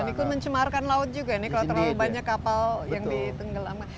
dan itu mencemarkan laut juga nih kalau terlalu banyak kapal yang ditenggelamkan